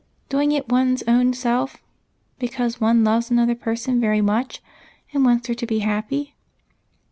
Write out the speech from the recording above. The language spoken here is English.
" Doing it one's own self because one loves another person very much and wants her to be happy